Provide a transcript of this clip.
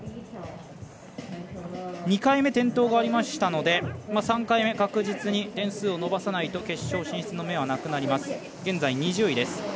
２回目、転倒がありましたので３回目確実に点数を伸ばさないと決勝進出の目はなくなります。